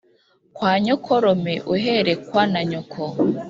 Kwa nyokorome uherekwa na nyoko.